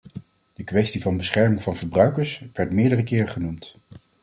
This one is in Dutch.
De kwestie van bescherming van verbruikers werd meerdere keren genoemd.